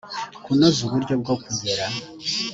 kunoza uburyo bwo kugera